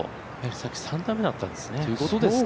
さっきの３打目だったんですね。